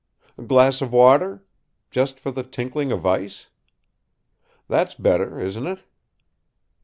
A glass of water? just for the tinkling of ice? That's better, isn't it?"